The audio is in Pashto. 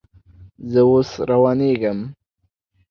زه اوس روانېږم